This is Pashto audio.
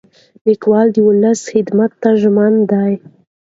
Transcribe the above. لیکوال د ولس خدمت ته ژمن دی.